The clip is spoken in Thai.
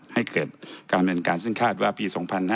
ให้เกิดการเรียนการซึ่งคาดว่าปี๒๕๗๒